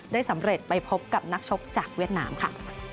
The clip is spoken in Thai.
ได้สำเร็จไปพบกับนักชกจากเวียดนามค่ะ